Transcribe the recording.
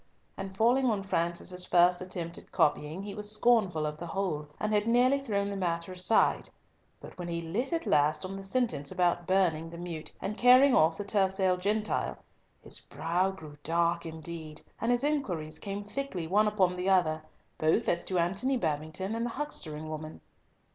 And falling on Francis's first attempt at copying, he was scornful of the whole, and had nearly thrown the matter aside, but when he lit at last on the sentence about burning the meute and carrying off the tercel gentle, his brow grew dark indeed, and his inquiries came thickly one upon the other, both as to Antony Babington and the huckstering woman.